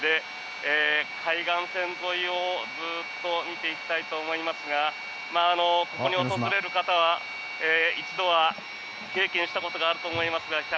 海岸線沿いをずっと見ていきたいと思いますがここに訪れる方は一度は経験したことがあると思いますが１３４